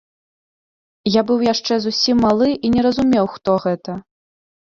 Я быў яшчэ зусім малы і не разумеў, хто гэта.